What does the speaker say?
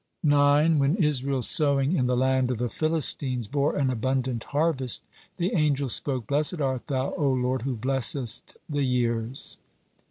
9. When Israel's sowing in the land of the Philistines bore an abundant harvest, the angels spoke: "Blessed art Thou, O Lord, who blessest the years."